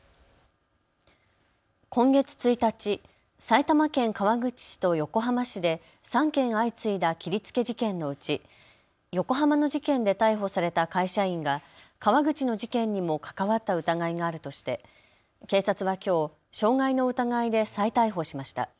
今月１日、埼玉県川口市と横浜市で３件相次いだ切りつけ事件のうち、横浜の事件で逮捕された会社員が川口の事件にも関わった疑いがあるとして警察はきょう傷害の疑いで再逮捕しました。